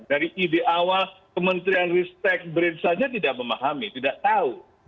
dari ide awal kementerian ristek brin saja tidak memahami tidak tahu